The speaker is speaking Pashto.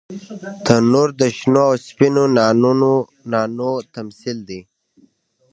تنور د شنو او سپینو نانو تمثیل دی